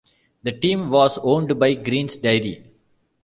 The team was owned by Green's Dairy.